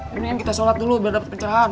ya ini yang kita sholat dulu biar dapet pencerahan